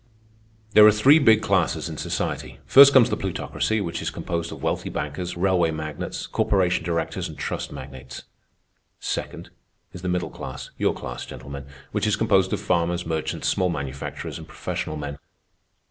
"There are three big classes in society. First comes the Plutocracy, which is composed of wealthy bankers, railway magnates, corporation directors, and trust magnates. Second, is the middle class, your class, gentlemen, which is composed of farmers, merchants, small manufacturers, and professional men.